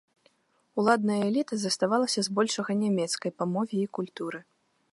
Уладная эліта заставалася збольшага нямецкай па мове і культуры.